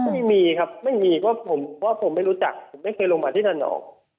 ไม่มีครับไม่มีเพราะผมเพราะผมไม่รู้จักผมไม่เคยลงมาที่นั่นออก